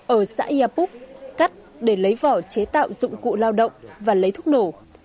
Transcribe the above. ở xã yà phúc cắt để lấy vỏ chế tạo dụng cụ lao động và lấy thuốc nổ